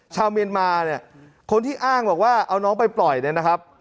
ชาวเมียนมาเนี่ยคนที่อ้างบอกว่าเอาน้องไปปล่อยเนี่ยนะครับ